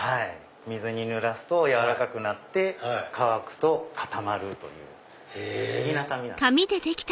水にぬらすとやわらかくなって乾くと固まるという不思議な紙なんです。